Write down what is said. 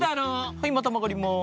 はいまたまがります。